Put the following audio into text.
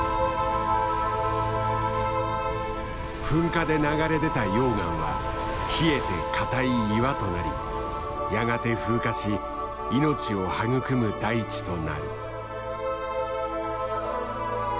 噴火で流れ出た溶岩は冷えて硬い岩となりやがて風化し命を育む大地となる。